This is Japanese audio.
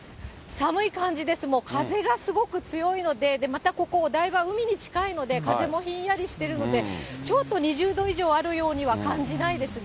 寒い感じです、もう風がすごく強いので、またここお台場は、海に近いので、風もひんやりしてるので、ちょっと２０度以上あるようには感じないですね。